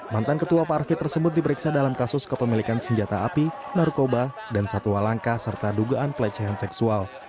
mantan ketua parfit tersebut diperiksa dalam kasus kepemilikan senjata api narkoba dan satwa langka serta dugaan pelecehan seksual